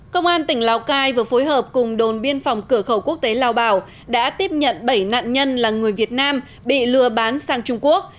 công an tỉnh lào cai vừa phối hợp cùng đồn biên phòng cửa khẩu quốc tế lao bảo đã tiếp nhận bảy nạn nhân là người việt nam bị lừa bán sang trung quốc